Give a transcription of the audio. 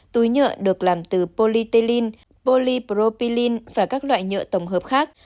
túi nhựa được làm từ polytelin polypropilin và các loại nhựa tổng hợp khác